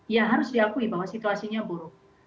ya harus diakui bahwa situasinya buruk